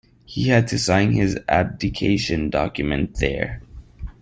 He had to sign his abdication document there.